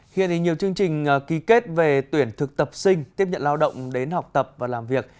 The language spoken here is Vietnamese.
hiện thì nhiều chương trình ký kết về tuyển thực tập sinh tiếp nhận lao động đến học tập và làm việc